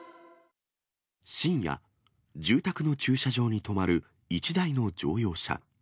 深夜、住宅の駐車場に止まる１台の乗用車。